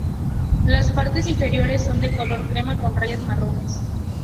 Las partes inferiores son de color crema con rayas marrones.